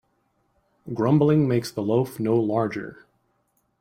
Grumbling makes the loaf no larger.